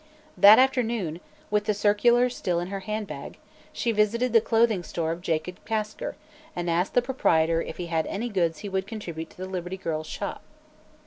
That afternoon, with the circular still in her handbag, she visited the clothing store of Jacob Kasker and asked the proprietor if he had any goods he would contribute to the Liberty Girls' Shop.